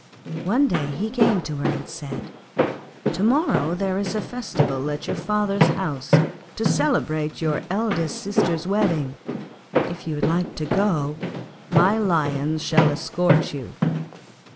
One day he came to her and said, 'To morrow there is a festival at your father's house to celebrate your eldest sister's wedding; if you would like to go my Lions shall escort you.'